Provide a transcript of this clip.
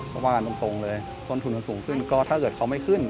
เพราะว่าตรงเลยต้นทุนมันสูงขึ้นก็ถ้าเกิดเขาไม่ขึ้น